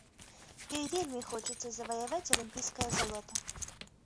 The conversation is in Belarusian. Ёй вельмі хочацца заваяваць алімпійскае золата.